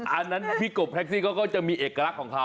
อันนั้นพี่กบแท็กซี่เขาก็จะมีเอกลักษณ์ของเขา